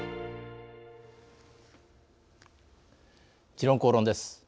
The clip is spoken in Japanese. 「時論公論」です。